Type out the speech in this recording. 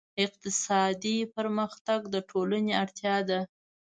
اقتصاد کې پرمختګ د ټولنې اړتیا ده.